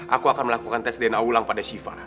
aku akan melakukan tes dna ulang pada shiva